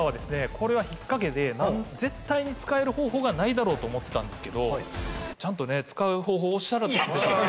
これは引っ掛けで絶対に使える方法がないだろうと思ってたんですけどちゃんとね使う方法をおっしゃられた。